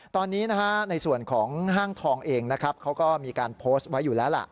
ตอนนี้ในส่วนของห้างทองเองนะครับเขาก็มีการโพสต์ไว้อยู่แล้วล่ะ